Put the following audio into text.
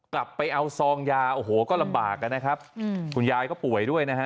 กลับไปเอาซองยาโอ้โหก็ลำบากนะครับคุณยายก็ป่วยด้วยนะฮะ